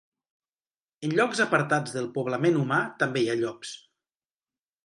En llocs apartats del poblament humà també hi ha llops.